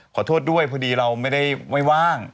ขอโทษด้วยพอดีเราไม่ได้ไม่ว่าง